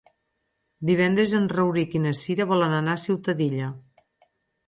Divendres en Rauric i na Cira volen anar a Ciutadilla.